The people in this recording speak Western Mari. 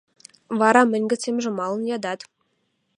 — Вара мӹнь гӹцемжӹ малын ядат?